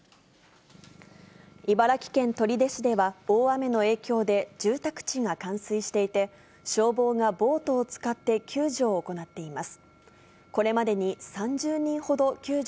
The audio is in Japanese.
茨城県取手市では大雨の影響で、住宅地が冠水していて、消防がボートを使って救助を行っています。